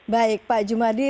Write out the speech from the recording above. baik pak jumadi